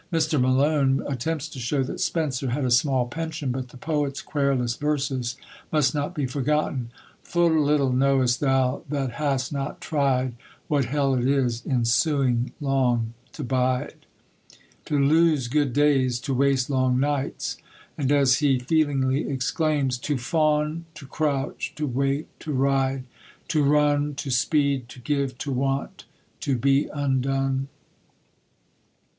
Mr. Malone attempts to show that Spenser had a small pension, but the poet's querulous verses must not be forgotten "Full little knowest thou, that hast not try'd, What Hell it is, in suing long to bide." To lose good days to waste long nights and, as he feelingly exclaims, "To fawn, to crouch, to wait, to ride, to run, To speed, to give, to want, to be undone!"